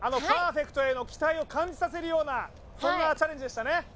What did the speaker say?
パーフェクトへの期待を感じさせるようなそんなチャレンジでしたね